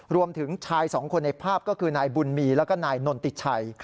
รวมถึงชายสองคนในภาพก็คือนายบุญมีแล้วก็นายนนติชัย